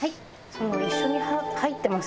その一緒に入ってます